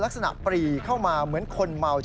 ลักษณะปรีเข้ามาเหมือนคนเมา